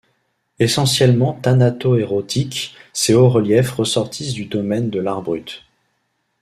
Essentiellement thanato-érotiques, ces hauts-reliefs ressortissent du domaine de l'art brut.